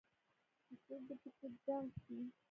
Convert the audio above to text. چې څوک دي پکې دغ شي.